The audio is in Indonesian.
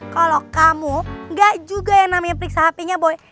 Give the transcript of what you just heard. kalau kamu gak juga yang namanya periksa hpnya boy